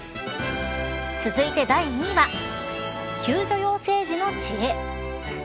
続いて第２位は救助要請時の知恵。